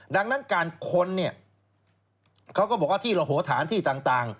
ดังนั้นการค้นเนี่ยเขาก็บอกว่าที่ระโหฐานที่ต่าง